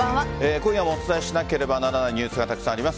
今夜もお伝えしなければならないニュースがたくさんあります。